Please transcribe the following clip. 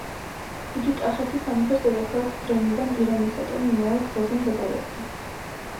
იგი კახეთის სამეფოს დედაქალაქ გრემიდან ირანისაკენ მიმავალ გზაზე მდებარეობდა.